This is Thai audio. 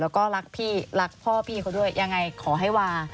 แล้วก็รักพี่รักพ่อพี่เขาด้วยยังไงขอให้วา